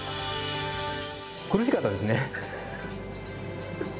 苦しかったですね。